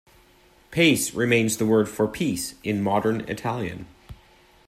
"Pace" remains the word for "peace" in Modern Italian.